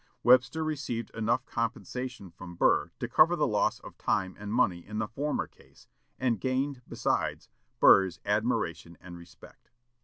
Webster received enough compensation from Burr to cover the loss of time and money in the former case, and gained, besides, Burr's admiration and respect.